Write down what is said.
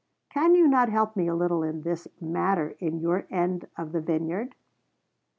Can you not help me a little in this matter in your end of the vineyard?"